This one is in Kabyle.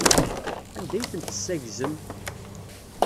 Anda ay ten-tessaggzem?